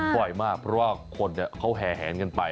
บ่อยมากเพราะว่าคนเขาแห่แหนกันไป